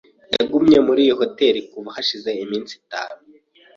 Yagumye muri iyo hoteri kuva hashize iminsi itanu.